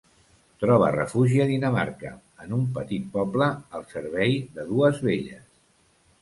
Troba refugi a Dinamarca, en un petit poble, al servei de dues velles.